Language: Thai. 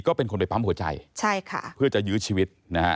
ก็เป็นคนไปปั๊มหัวใจเพื่อจะยื้อชีวิต